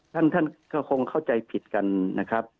ท่านก็คงเข้าใจผิดกันนะครับ